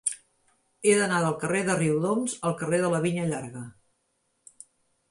He d'anar del carrer de Riudoms al carrer de la Vinya Llarga.